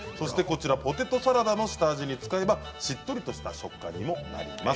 ポテトサラダの下味に使えばしっとりとした食感にもなります。